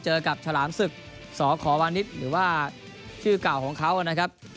เจอกับฉลามศึกสขวานิสหรือว่าชื่อเก่าของเขานะครับ